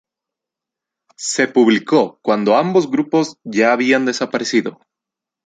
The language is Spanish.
Se publicó cuando ambos grupos ya habían desaparecido.